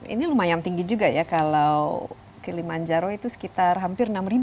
ini lumayan tinggi juga ya kalau kili manjaro itu sekitar hampir enam ya